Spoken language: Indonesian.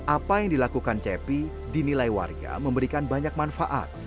apa yang dilakukan cepi dinilai warga memberikan banyak manfaat